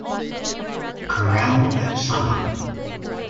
Corral at sunup.